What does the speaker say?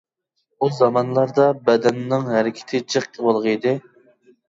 ئۇ زامانلاردا بەدەننىڭ ھەرىكىتى جىق بولغىيدى.